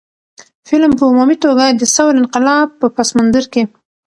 فلم په عمومي توګه د ثور انقلاب په پس منظر کښې